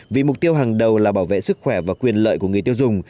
vì mục tiêu hàng đầu là bảo vệ sức khỏe và quyền lợi của người tiêu dùng